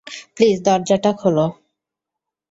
Please দরজাটা খোল।